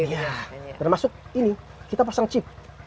iya termasuk ini kita pasang chip